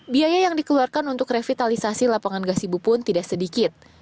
biaya yang dikeluarkan untuk revitalisasi lapangan gasibu pun tidak sedikit